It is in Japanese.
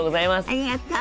ありがとう！